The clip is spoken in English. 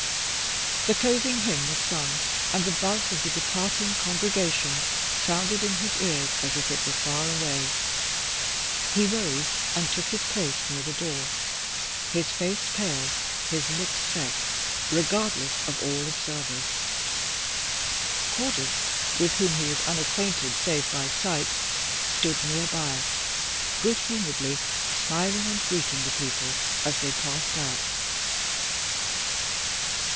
The closing hymn was sung, and the buzz of the departing congregation sounded in his ears as if it were far away. He rose and took his place near the door, his face pale, his lips set, regardless of all observers. Cordis, with whom he was unacquainted save by sight, stood near by, good humouredly smiling, and greeting the people as they passed out.